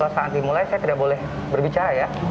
saat dimulai saya tidak boleh berbicara ya